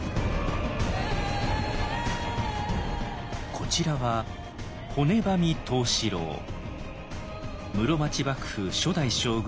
こちらは室町幕府初代将軍